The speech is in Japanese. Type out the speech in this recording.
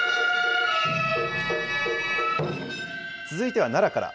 続いては奈良から。